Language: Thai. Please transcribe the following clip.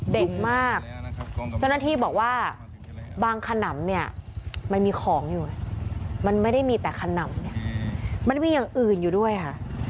เด็กมากเจ้าหน้าที่บอกว่าบางขนำเนี่ยมันมีของอยู่มันไม่ได้มีแต่ขนำเนี่ยมันมีอย่างอื่นอยู่ด้วยค่ะ